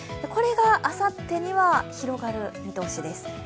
これがあさってには広がる見通しです。